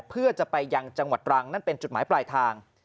เพื่อจะไปยังจังหวัดตรังนั่นเป็นจุดหมายปลายทาง